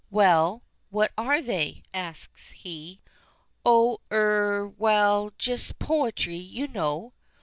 "Well, what are they?" asks he. "Oh er well just poetry, you know."